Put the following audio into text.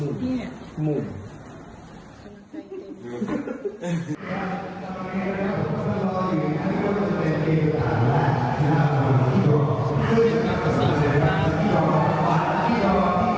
มุ่งมุ่ง